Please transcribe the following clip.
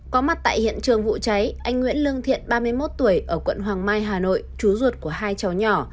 có mặt tại hiện trường vụ cháy anh nguyễn lương thiện ba mươi một tuổi ở quận hoàng mai hà nội chú ruột của hai cháu nhỏ